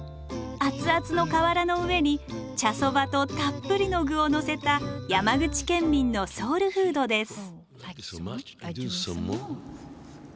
熱々の瓦の上に茶そばとたっぷりの具をのせた山口県民のソウルフードです。